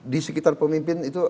di sekitar pemimpin itu